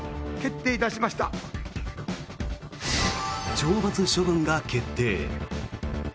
懲罰処分が決定。